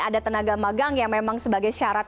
ada tenaga magang yang memang sebagai syarat